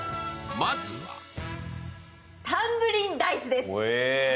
まずは「タンプリンダイス」です。